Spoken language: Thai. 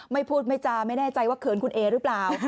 ไม่พูดไม่จาไม่แน่ใจว่าเขินคุณเอหรือเปล่า